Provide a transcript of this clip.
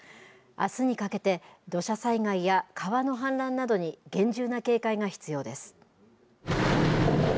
あすにかけて、土砂災害や川の氾濫などに厳重な警戒が必要です。